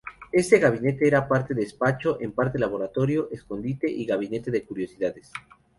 Este gabinete era parte despacho, en parte laboratorio, escondite y gabinete de curiosidades.